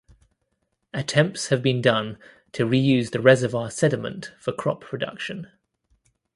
Attempts have been done to reuse the reservoir sediment for crop production.